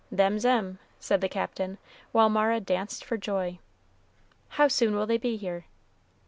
"Them's 'em," said the Captain, while Mara danced for joy. "How soon will they be here?"